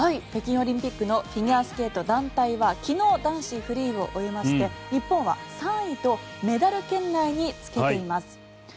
北京オリンピックのフィギュアスケート団体は昨日、男子フリーを終えまして日本は３位とメダル圏内につけています。